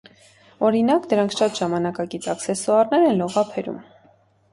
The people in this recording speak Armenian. Օրինակ՝ դրանք շատ ժամանակակից աքսեսուարներ են լողափերում։